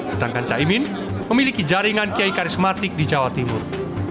sedangkan caimin memiliki jaringan kiai karismatik di jawa timur